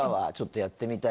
やってみたい？